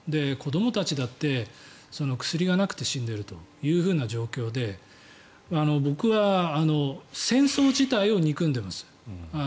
子どもたちだって薬がなくて死んでいるという状況で僕は戦争自体を憎んでいます。